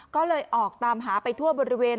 ก็เลยออกตามหาไปทั่วบริเวณ